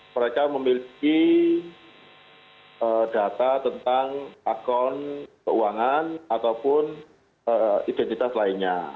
mereka memiliki data tentang akun keuangan ataupun identitas lainnya